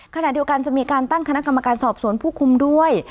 ขณะเดียวกันจะมีการตั้งคณะกรรมการสอบสวนผู้คุมด้วย